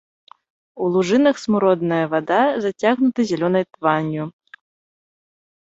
У лужынах смуродная вада зацягнута зялёнай тванню.